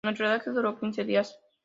El rodaje duró quince días.